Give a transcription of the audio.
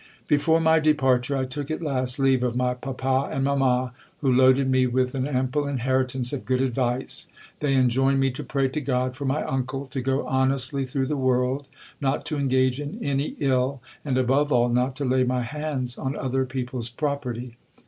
Before my departure I took a last leave of my papa and mamma, who loaded me with an ample inheritance of good advice. They enjoined me to pray to God for my uncle, to go honestly through the world, not to engage in any ill, and above all, not to lay my hands on other people's property.